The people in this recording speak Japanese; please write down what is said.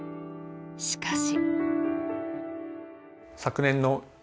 しかし。